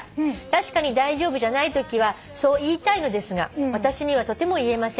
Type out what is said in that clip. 「確かに大丈夫じゃないときはそう言いたいのですが私にはとても言えません。